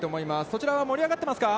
そちらは盛り上がってますか？